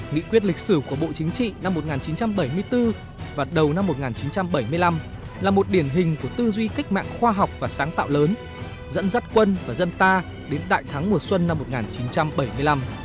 nghị quyết lịch sử của bộ chính trị năm một nghìn chín trăm bảy mươi bốn và đầu năm một nghìn chín trăm bảy mươi năm là một điển hình của tư duy cách mạng khoa học và sáng tạo lớn dẫn dắt quân và dân ta đến đại thắng mùa xuân năm một nghìn chín trăm bảy mươi năm